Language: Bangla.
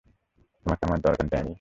তোমার আমাকে দরকার, ড্যানি।